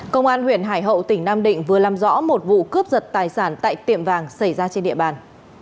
công an huyện hải hậu tỉnh nam định vừa làm rõ một vụ cướp giật tài sản tại tiệm vàng xảy ra trên địa bàn